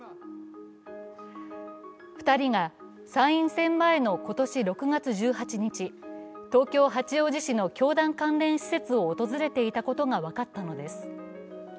２人が参院選前の今年６月１８日、東京・八王子市の教団関連施設を訪れていたことが分かったのです。